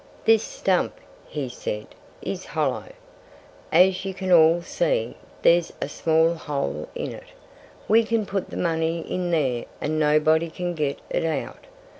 "This stump," he said, "is hollow. As you can all see, there's a small hole in it. We can put the money in there and nobody can get it out.